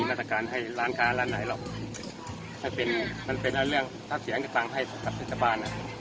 มันเป็นเรื่องถ้าเสียงจะต่างให้สำหรับสินค้าบ้าน